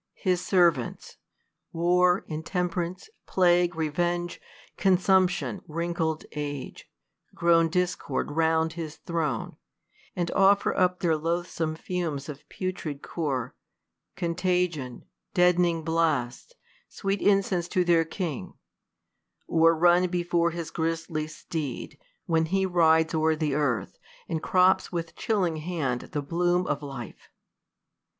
His servants, War, Intemp'rance, Plague, Revenge, Consumption, wrinkled Age, groan discord round His throne, and offer up their loathsome fumes Of putrid corps, contagion, dead'ning blasts ; Sweet incense to their king; or run before His grisly steed, when he rides o'er the earth. A nd THE COLUMBIAN ORATOR. ^^57 And crops with chilling hand the bloom of life.